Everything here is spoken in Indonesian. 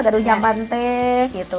garunya pante gitu